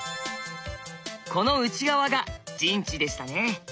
この内側が陣地でしたね。